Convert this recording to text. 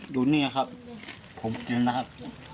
ดูเนี่ยครับผมเห็นนะครับ